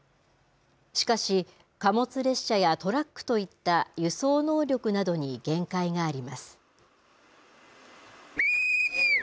しかし、貨物列車やトラックといった輸送能力などに限界があります。